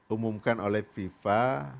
umumkan oleh fifa